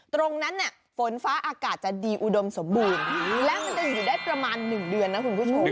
ตรงนั้นเนี่ยฝนฟ้าอากาศจะดีอุดมสมบูรณ์แล้วมันจะอยู่ได้ประมาณ๑เดือนนะคุณผู้ชม